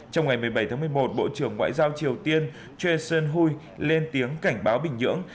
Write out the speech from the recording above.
trong ngày một mươi bảy tháng một mươi một bộ trưởng ngoại giao triều tiên choi suon hui lên tiếng cảnh báo bình nhưỡng